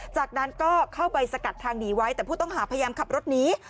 จากนั้นก็เข้าไปสกัดทางหนีไว้แต่ผู้ต้องหาพยายามขับรถหนี